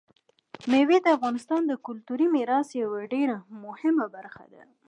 مېوې د افغانستان د کلتوري میراث یوه ډېره مهمه برخه ده.